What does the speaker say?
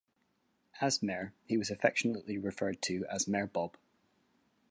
As mayor, he was affectionately referred to as Mayor Bob.